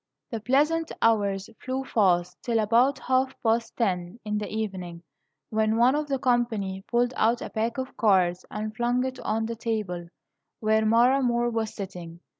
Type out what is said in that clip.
The pleasant hours flew fast till about half past ten in the evening, when one of the company pulled out a pack of cards and flung it on the table where Mara Moor was sitting.